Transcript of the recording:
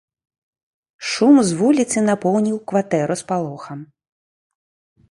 Шум з вуліцы напоўніў кватэру спалохам.